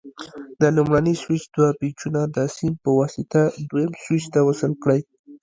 د لومړني سویچ دوه پېچونه د سیم په واسطه دویم سویچ ته وصل کړئ.